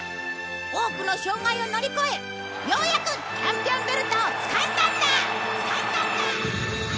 多くの障害を乗り越えようやくチャンピオンベルトをつかんだんだ！